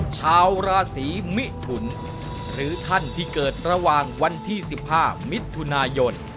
ชาวราศีมิถุนหรือท่านที่เกิดระหว่างวันที่๑๕มิถุนายน